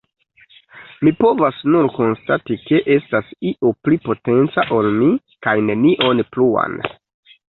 Mi povas nur konstati ke estas io pli potenca ol mi, kaj nenion pluan.